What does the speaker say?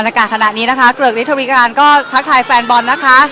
มันกะขนาดนี้นะคะเกลือกนิทโลการณ์ก็พักถ่ายแฟนบอลนะคะ